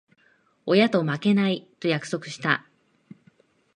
親と負けない、と約束した。